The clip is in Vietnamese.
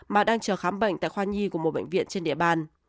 mà đang chờ khám bệnh tại khoa nhi của một bệnh viện trên địa bàn